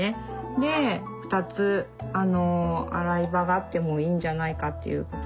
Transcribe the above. で２つ洗い場があってもいいんじゃないかということで。